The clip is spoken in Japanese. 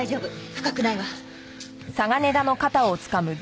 深くないわ。